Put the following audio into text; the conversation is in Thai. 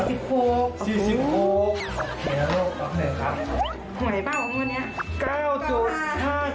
ค่ะกระดุ้งหน่อยแอบดูหน่อย